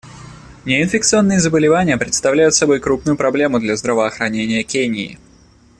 Неинфекционные заболевания представляют собой крупную проблему для здравоохранения Кении.